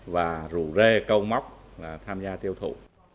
và rủ rê câu móc là tham gia tiêu thụ